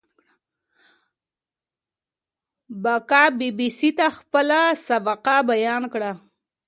بکا بي بي سي ته خپله سابقه بيان کړه.